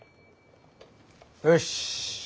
よし。